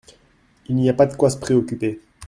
Il n’y a pas de quoi se préoccuper.